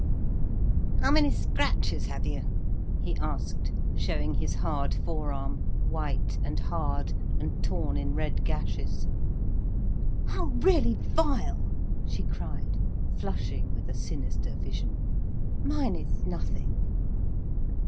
"How many scratches have you?" he asked, showing his hard forearm, white and hard and torn in red gashes. "How really vile!" she cried, flushing with a sinister vision. "Mine is nothing."